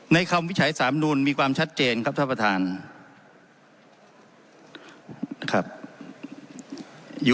ในคำวิชัยสามนูลมีความสำคัญ